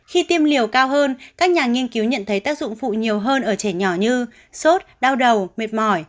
khi tiêm liều cao hơn các nhà nghiên cứu nhận thấy tác dụng phụ nhiều hơn ở trẻ nhỏ như sốt đau đầu mệt mỏi